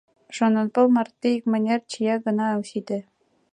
Шонанпыл марте икмыняр чия гына ок сите.